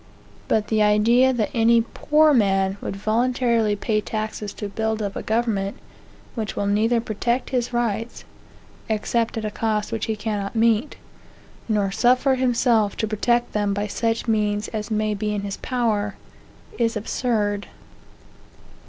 But the idea that any poor man would voluntarily pay taxes to build up a government, which will neither protect his rights, (except at a cost which he cannot meet,) nor suffer himself to protect them by such means as may be in his power, is absurd.